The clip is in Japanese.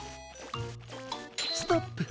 ストップ！